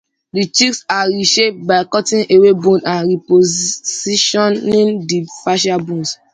The cheeks are reshaped by cutting away bone and repositioning the facial bones.